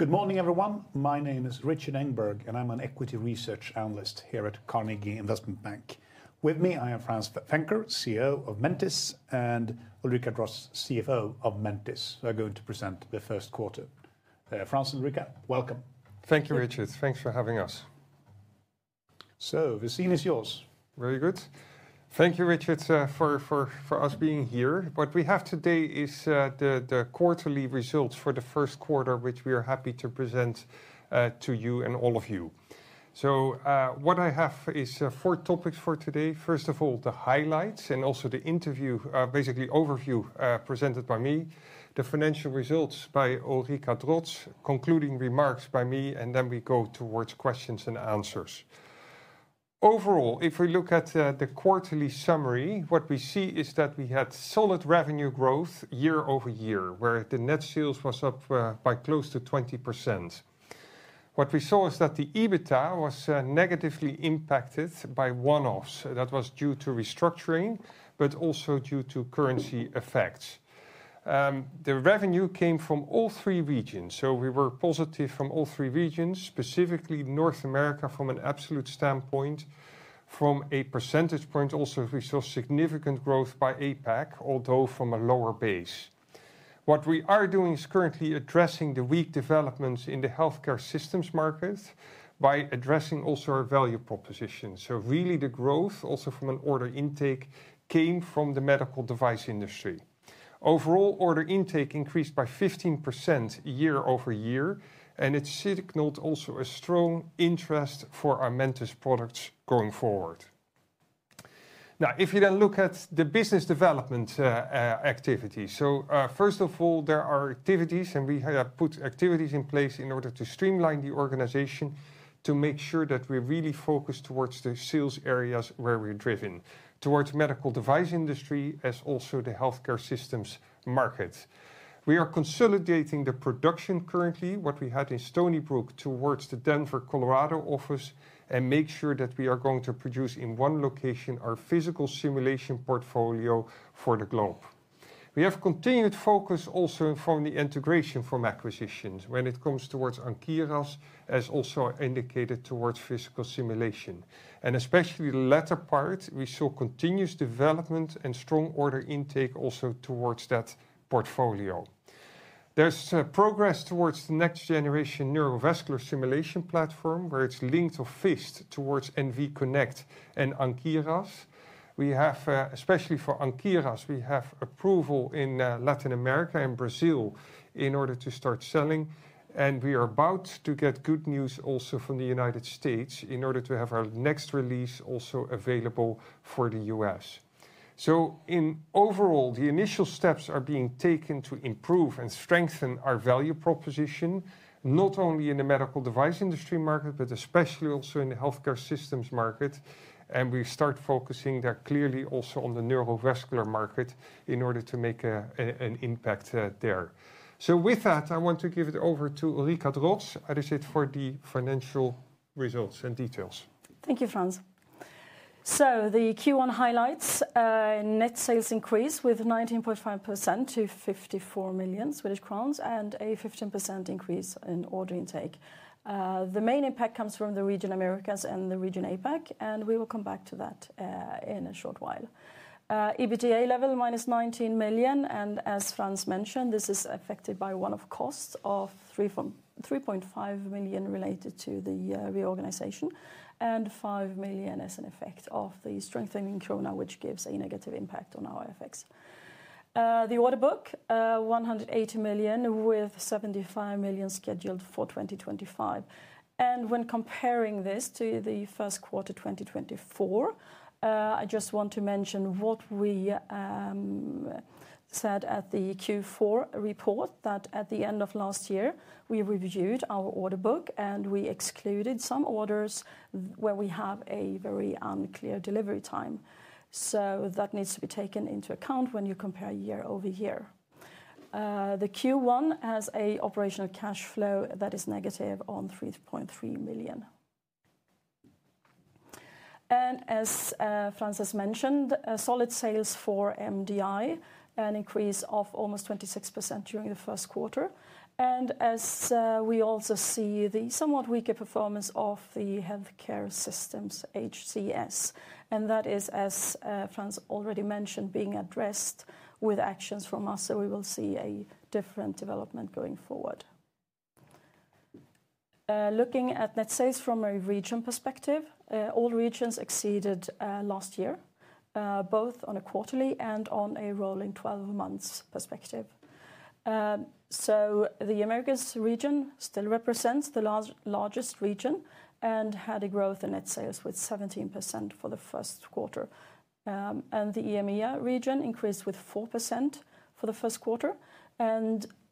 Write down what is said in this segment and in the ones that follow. Good morning, everyone. My name is Rikard Engberg, and I'm an Equity Research Analyst here at Carnegie Investment Bank. With me, I have Frans Venker, CEO of Mentice, and Ulrika Drotz, CFO of Mentice, who are going to present the first quarter. Frans, Ulrika, welcome. Thank you, Rikard. Thanks for having us. The scene is yours. Very good. Thank you, Rikard, for us being here. What we have today is the quarterly results for the first quarter, which we are happy to present to you and all of you. What I have is four topics for today. First of all, the highlights, and also the interview, basically overview, presented by me, the financial results by Ulrika Drotz, concluding remarks by me, and then we go towards questions-and-answers. Overall, if we look at the quarterly summary, what we see is that we had solid revenue growth year-over-year, where the net sales was up by close to 20%. What we saw is that the EBITDA was negatively impacted by one-offs. That was due to restructuring, but also due to currency effects. The revenue came from all three regions. We were positive from all three regions, specifically North America from an absolute standpoint. From a percentage point, also, we saw significant growth by APAC, although from a lower base. What we are doing is currently addressing the weak developments in the Healthcare Systems market by addressing also our value proposition. Really, the growth, also from an order intake, came from the medical device industry. Overall, order intake increased by 15% year-over-year, and it signaled also a strong interest for our Mentice products going forward. Now, if you then look at the business development activities. First of all, there are activities, and we have put activities in place in order to streamline the organization, to make sure that we're really focused towards the sales areas where we're driven, towards the medical device industry, as also the Healthcare Systems market. We are consolidating the production currently, what we had in Stony Brook, towards the Denver, Colorado office, and make sure that we are going to produce in one location our physical simulation portfolio for the globe. We have continued focus also from the integration from acquisitions when it comes towards Ankyros, as also indicated towards physical simulation. Especially the latter part, we saw continuous development and strong order intake also towards that portfolio. There is progress towards the next generation neurovascular simulation platform, where it's linked or fixed towards NV Connect and Ankyros. We have, especially for Ankyros, we have approval in Latin America and Brazil in order to start selling. We are about to get good news also from the United States in order to have our next release also available for the U.S. Overall, the initial steps are being taken to improve and strengthen our value proposition, not only in the medical device industry market, but especially also in the Healthcare Systems market. We start focusing there clearly also on the neurovascular market in order to make an impact there. With that, I want to give it over to Ulrika Drotz. That is it for the financial results and details. Thank you, Frans. The Q1 highlights net sales increase with 19.5% to 54 million Swedish crowns and a 15% increase in order intake. The main impact comes from the region Americas and the region APAC, and we will come back to that in a short while. EBITDA level -19 million. As Frans mentioned, this is affected by one-off costs of 3.5 million related to the reorganization and 5 million as an effect of the strengthening Krona, which gives a negative impact on our effects. The order book, 180 million with 75 million scheduled for 2025. When comparing this to the first quarter 2024, I just want to mention what we said at the Q4 report that at the end of last year, we reviewed our order book and we excluded some orders where we have a very unclear delivery time. That needs to be taken into account when you compare year-over-year. The Q1 has an operational cash flow that is negative on $3.3 million. As Frans has mentioned, solid sales for MDI, an increase of almost 26% during the first quarter. As we also see the somewhat weaker performance of the Healthcare Systems, HCS. That is, as Frans already mentioned, being addressed with actions from us. We will see a different development going forward. Looking at net sales from a region perspective, all regions exceeded last year, both on a quarterly and on a rolling 12-month perspective. The Americas region still represents the largest region and had a growth in net sales with 17% for the first quarter. The EMEA region increased with 4% for the first quarter.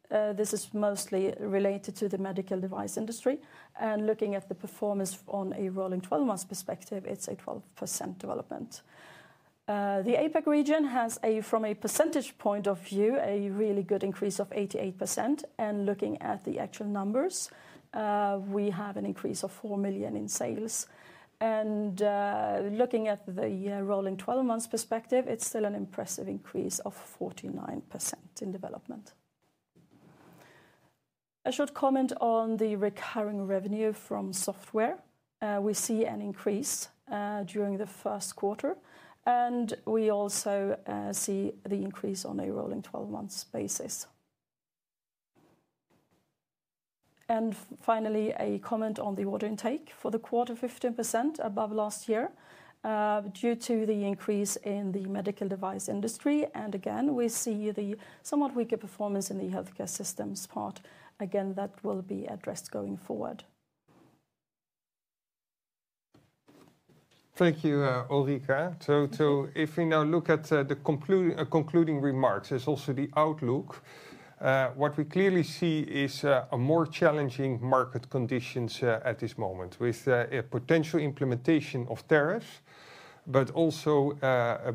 This is mostly related to the medical device industry. Looking at the performance on a rolling 12-month perspective, it's a 12% development. The APAC region has, from a percentage point of view, a really good increase of 88%. Looking at the actual numbers, we have an increase of $4 million in sales. Looking at the rolling 12-month perspective, it's still an impressive increase of 49% in development. A short comment on the recurring revenue from software. We see an increase during the first quarter, and we also see the increase on a rolling 12-month basis. Finally, a comment on the order intake for the quarter, 15% above last year due to the increase in the medical device industry. Again, we see the somewhat weaker performance in the Healthcare Systems part. That will be addressed going forward. Thank you, Ulrika. If we now look at the concluding remarks, there's also the outlook. What we clearly see is more challenging market conditions at this moment with a potential implementation of tariffs, but also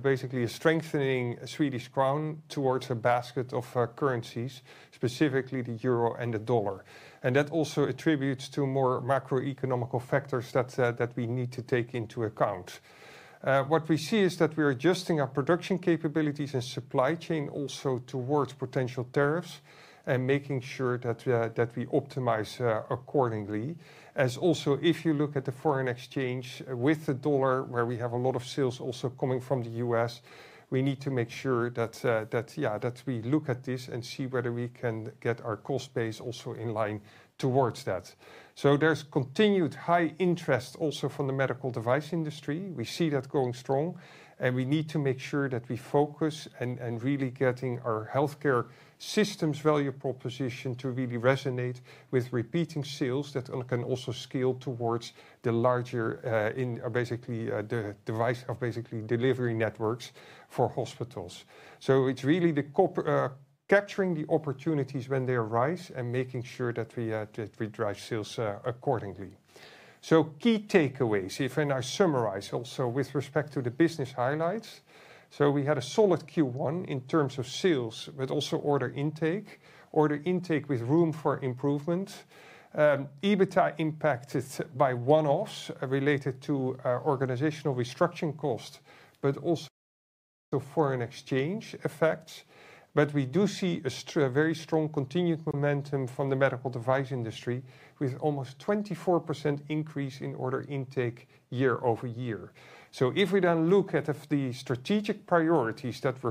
basically a strengthening Swedish Krona towards a basket of currencies, specifically the euro and the dollar. That also attributes to more macroeconomical factors that we need to take into account. What we see is that we're adjusting our production capabilities and supply chain also towards potential tariffs and making sure that we optimize accordingly. Also, if you look at the foreign exchange with the dollar, where we have a lot of sales also coming from the U.S., we need to make sure that we look at this and see whether we can get our cost base also in line towards that. There's continued high interest also from the medical device industry. We see that going strong, and we need to make sure that we focus and really get our Healthcare Systems value proposition to really resonate with repeating sales that can also scale towards the larger, basically the device of basically delivery networks for hospitals. It is really capturing the opportunities when they arise and making sure that we drive sales accordingly. Key takeaways, if I now summarize also with respect to the business highlights. We had a solid Q1 in terms of sales, but also order intake, order intake with room for improvement. EBITDA impacted by one-offs related to organizational restructuring cost, but also foreign exchange effects. We do see a very strong continued momentum from the medical device industry with almost 24% increase in order intake year-over-year. If we then look at the strategic priorities that we're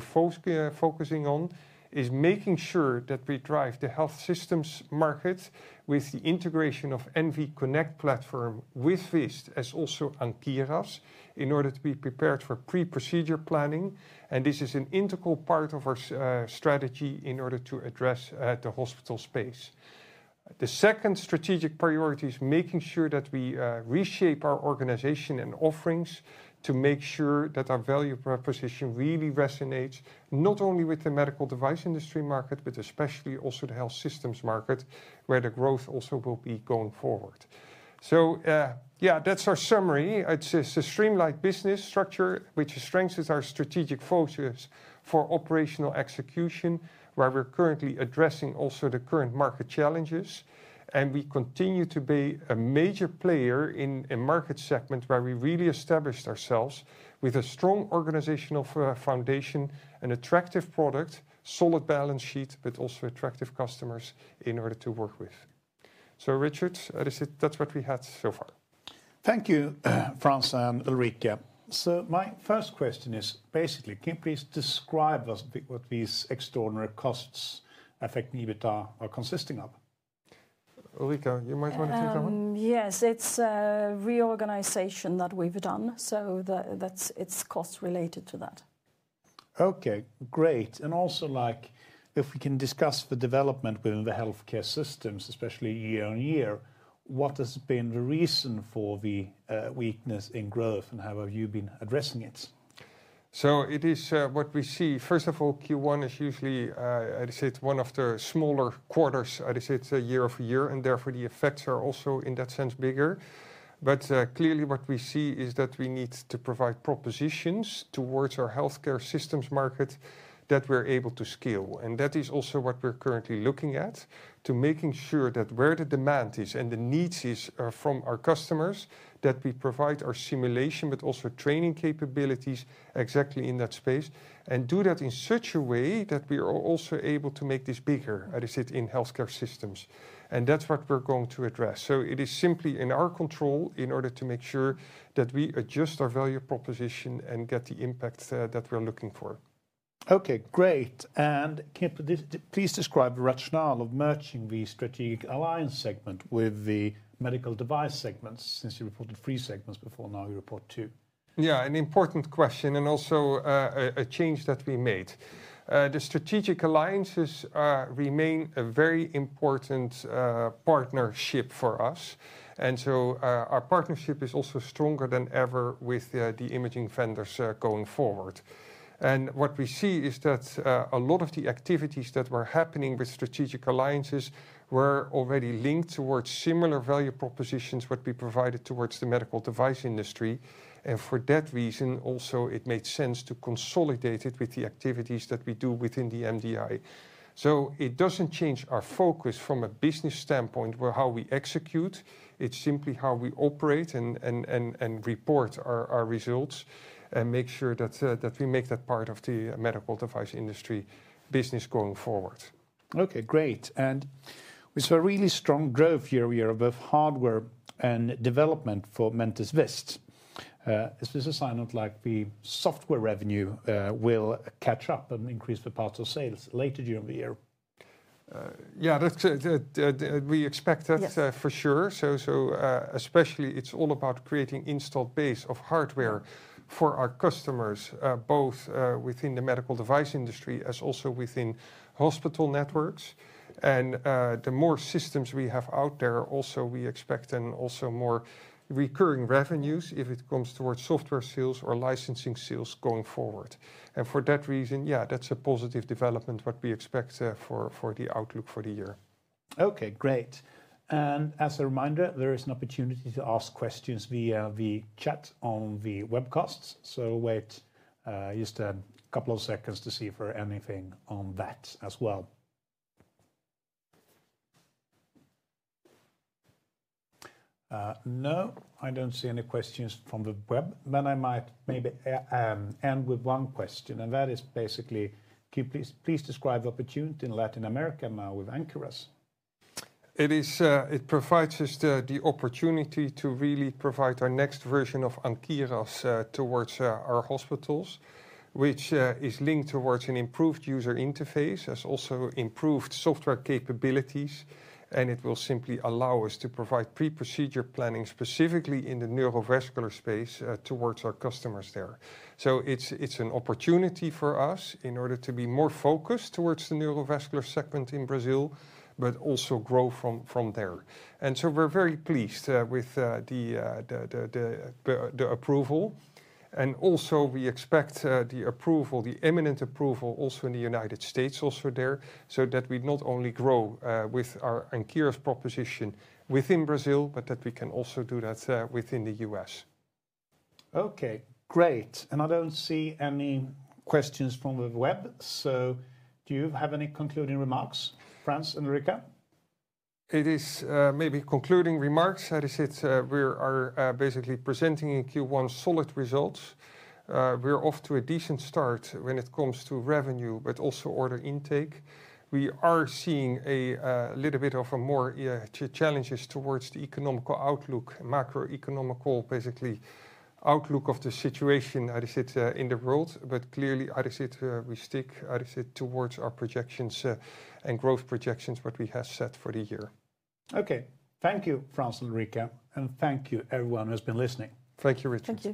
focusing on, it's making sure that we drive the health systems market with the integration of NV Connect platform with VIST, as also Ankyros, in order to be prepared for pre-procedure planning. This is an integral part of our strategy in order to address the hospital space. The second strategic priority is making sure that we reshape our organization and offerings to make sure that our value proposition really resonates not only with the medical device industry market, but especially also the health systems market, where the growth also will be going forward. Yeah, that's our summary. It's a streamlined business structure, which strengthens our strategic focus for operational execution, where we're currently addressing also the current market challenges. We continue to be a major player in a market segment where we really established ourselves with a strong organizational foundation, an attractive product, solid balance sheet, but also attractive customers in order to work with. Rikard, that's what we had so far. Thank you, Frans and Ulrika. My first question is basically, can you please describe what these extraordinary costs affecting EBITDA are consisting of? Ulrika, you might want to take that one. Yes, it's reorganization that we've done. It's cost related to that. Okay, great. If we can discuss the development within the Healthcare Systems, especially year-on-year, what has been the reason for the weakness in growth, and how have you been addressing it? It is what we see. First of all, Q1 is usually, I'd say, one of the smaller quarters, I'd say, it's a year-over-year, and therefore the effects are also in that sense bigger. Clearly, what we see is that we need to provide propositions towards our Healthcare Systems market that we're able to scale. That is also what we're currently looking at, to making sure that where the demand is and the needs are from our customers, that we provide our simulation, but also training capabilities exactly in that space, and do that in such a way that we are also able to make this bigger, I'd say, in Healthcare Systems. That's what we're going to address. It is simply in our control in order to make sure that we adjust our value proposition and get the impact that we're looking for. Okay, great. Can you please describe the rationale of merging the strategic alliance segment with the medical device segments, since you reported three segments before, now you report two? Yeah, an important question and also a change that we made. The strategic alliances remain a very important partnership for us. Our partnership is also stronger than ever with the imaging vendors going forward. What we see is that a lot of the activities that were happening with strategic alliances were already linked towards similar value propositions that we provided towards the medical device industry. For that reason, it made sense to consolidate it with the activities that we do within the MDI. It does not change our focus from a business standpoint, how we execute. It is simply how we operate and report our results and make sure that we make that part of the medical device industry business going forward. Okay, great. We saw a really strong growth year-over-year with hardware and development for Mentice VIST. Is this a sign of, like, the software revenue will catch up and increase the parts of sales later during the year? Yeah, we expect that for sure. Especially, it's all about creating an installed base of hardware for our customers, both within the medical device industry as also within hospital networks. The more systems we have out there, we expect also more recurring revenues if it comes towards software sales or licensing sales going forward. For that reason, yeah, that's a positive development, what we expect for the outlook for the year. Okay, great. As a reminder, there is an opportunity to ask questions via the chat on the webcast. Wait just a couple of seconds to see if there's anything on that as well. No, I don't see any questions from the web. I might maybe end with one question, and that is basically, can you please describe the opportunity in Latin America now with Ankyros? It provides us the opportunity to really provide our next version of Ankyros towards our hospitals, which is linked towards an improved user interface, has also improved software capabilities, and it will simply allow us to provide pre-procedure planning specifically in the neurovascular space towards our customers there. It is an opportunity for us in order to be more focused towards the neurovascular segment in Brazil, but also grow from there. We are very pleased with the approval. We expect the imminent approval also in the United States also there, so that we not only grow with our Ankyros proposition within Brazil, but that we can also do that within the U.S. Okay, great. I don't see any questions from the web. Do you have any concluding remarks, Frans and Ulrika? It is maybe concluding remarks. I'd say we are basically presenting in Q1 solid results. We're off to a decent start when it comes to revenue, but also order intake. We are seeing a little bit of more challenges towards the economical outlook, macroeconomical basically outlook of the situation, I'd say, in the world. Clearly, I'd say, we stick, I'd say, towards our projections and growth projections what we have set for the year. Okay, thank you, Frans and Ulrika, and thank you, everyone who's been listening. Thank you, Rikard.